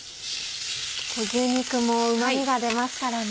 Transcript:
牛肉もうま味が出ますからね。